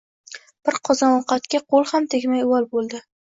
Bir qozon ovqatga qo`l ham tegmay uvol bo`ldi